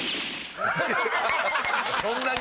そんなに。